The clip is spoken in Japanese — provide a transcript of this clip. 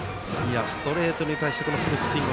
ストレートに対してのフルスイング。